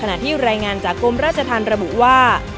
ที่รายงานจากกรมราชธรรมระบุว่า